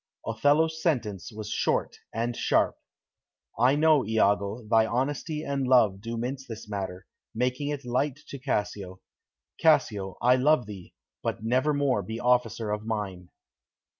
Othello's sentence was short and sharp. "I know, Iago, thy honesty and love do mince this matter, making it light to Cassio. Cassio, I love thee, but never more be officer of mine."